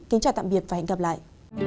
kính chào tạm biệt và hẹn gặp lại